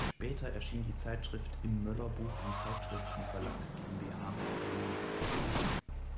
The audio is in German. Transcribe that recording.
Später erschien die Zeitschrift im „Möller Buch und Zeitschriften Verlag GmbH“, Berlin.